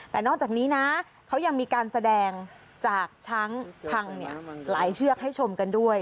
แต่นอกจากนี้นะเขายังมีการแสดงจากช้างพังหลายเชือกให้ชมกันด้วย